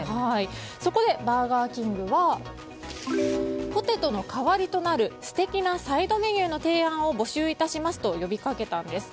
そこでバーガーキングはポテトの代わりとなる素敵なサイドメニューの提案を募集致しますと呼びかけたんです。